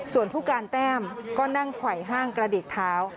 ส่วนผู้การแต้มก็นั่งไขว่ห้างกระดิกเท้า